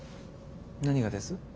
何がです？